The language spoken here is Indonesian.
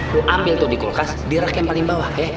gue ambil tuh di kulkas di rak yang paling bawah ya